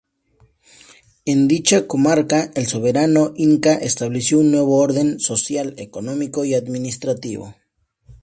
En dicha comarca el soberano inca estableció un nuevo orden, social, económico y administrativo.